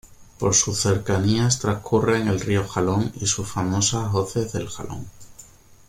Por sus cercanías transcurren el río Jalón y sus famosas Hoces del Jalón.